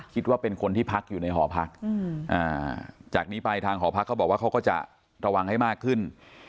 คิดว่าเป็นคนที่พักอยู่ในหอพักจากนี้ไปทางหอพักเขาบอกว่าเขาก็จะระวังให้มากขึ้น